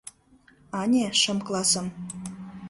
— Ане, шым классым...